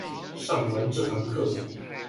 上完這堂課